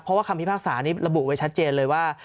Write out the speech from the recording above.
เพราะว่าคำพิพากษานี้ระบุไว้ชัดเจนเลยว่า